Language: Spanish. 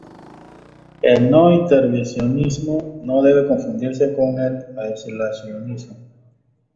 El no intervencionismo no debe confundirse con el aislacionismo.